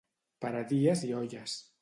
Per a dies i olles.